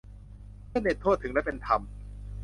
เพื่อเน็ตทั่วถึงและเป็นธรรม